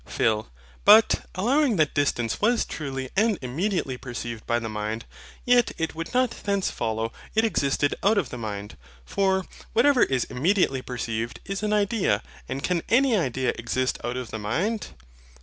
PHIL. But, allowing that distance was truly and immediately perceived by the mind, yet it would not thence follow it existed out of the mind. For, whatever is immediately perceived is an idea: and can any idea exist out of the mind?